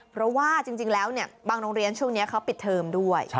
เพราะว่าจริงแล้วบางโรงเรียนช่วงนี้เขาปิดเทอมด้วย